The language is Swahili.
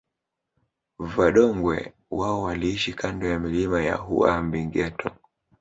Vadongwe wao waliishi kando ya milima ya Uhambingeto